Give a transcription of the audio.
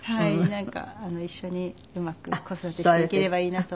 なんか一緒にうまく子育てしていければいいなと。